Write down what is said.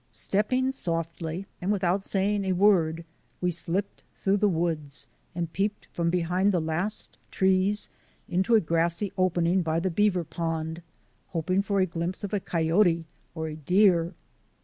Stepping softly and without saying a word, we slipped through the woods and peeped from be hind the last trees into a grassy opening by the beaver pond, hoping for a glimpse of a coyote or a deer.